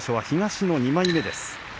東の２枚目です。